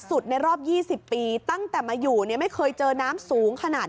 ในรอบ๒๐ปีตั้งแต่มาอยู่เนี่ยไม่เคยเจอน้ำสูงขนาด